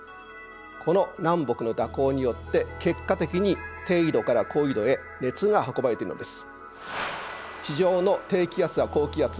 この南北の蛇行によって結果的に低緯度から高緯度へ熱が運ばれているのです。